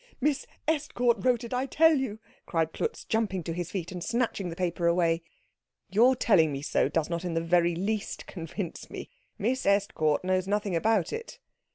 "Miss Estcourt wrote it, I tell you!" cried Klutz, jumping to his feet and snatching the paper away. "Your telling me so does not in the very least convince me. Miss Estcourt knows nothing about it."